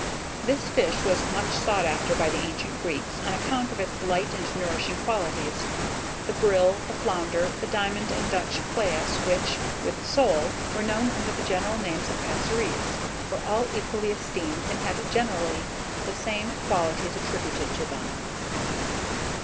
This fish was much sought after by the ancient Greeks on account of its light and nourishing qualities. The brill, the flounder, the diamond and Dutch plaice, which, with the sole, were known under the general name of passeres, were all equally esteemed, and had generally the same qualities attributed to them.